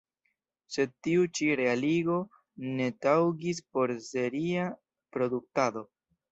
Sed tiu ĉi realigo ne taŭgis por seria produktado.